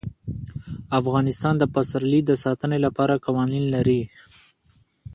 افغانستان د پسرلی د ساتنې لپاره قوانین لري.